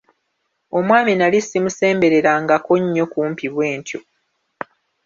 Omwami nali simusembererangako nnyo kumpi bwe ntyo.